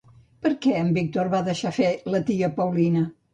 Per què en Víctor va deixar fer la tia Paulina?